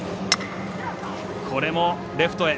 これも、レフトへ。